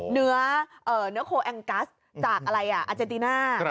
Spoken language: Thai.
เนื้อโคแอนกัสจากอะไรอ่ะอาจเจธิน่า